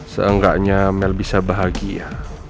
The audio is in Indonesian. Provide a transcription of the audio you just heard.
seenggaknya mel bisa bahagia